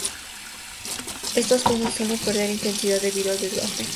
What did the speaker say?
Estos tonos suelen perder intensidad debido al desgaste.